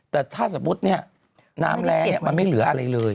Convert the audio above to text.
แต่ถ้าสมมุติเนี่ยน้ำแร้มันไม่เหลืออะไรเลย